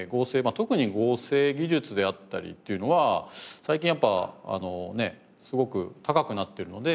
特に合成技術であったりっていうのは最近やっぱすごく高くなっているので。